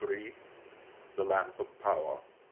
THE LAMP OF POWER. I.